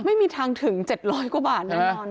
ไม่มีทางถึงเจ็ดร้อยกว่าบาทแน่นอนนะฮะ